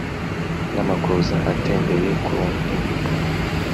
n' amakuza atendeye ku nti